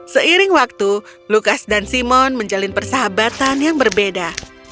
seiring waktu lukas dan simon menjalin persahabatan yang berbeda